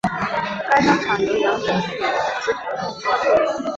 该商场由杨忠礼集团共构。